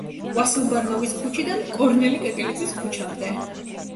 ვასილ ბარნოვის ქუჩიდან კორნელი კეკელიძის ქუჩამდე.